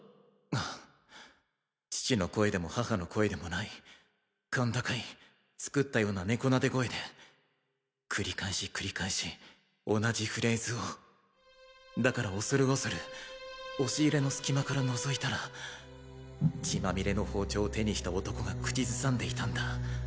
ああ父の声でも母の声でもない甲高い作ったような猫撫で声で繰り返し繰り返し同じフレーズをだから恐る恐る押し入れの隙間から覗いたら血まみれの包丁を手にした男が口ずさんでいたんだ。